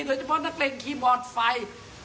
โดยเฉพาะนักเลงคีย์บอร์ดไฟ